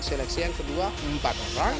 seleksi yang kedua empat orang